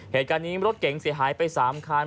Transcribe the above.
เหตุการณ์นี้รถเก๋งเสียหายไป๓คัน